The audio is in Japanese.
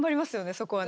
そこはね。